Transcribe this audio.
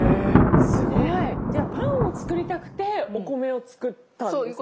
すごい！じゃあパンをつくりたくてお米をつくったんですね。